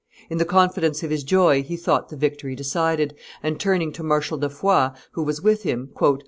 In the confidence of his joy he thought the victory decided, and, turning to Marshal de Foix, who was with him, "M.